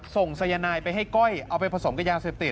ส่งสายนายไปให้ก้อยเอาไปผสมกับยาเสพติด